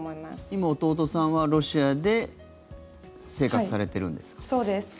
今、弟さんはロシアで生活されてるんですか？